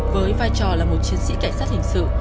với vai trò là một chiến sĩ cảnh sát hình sự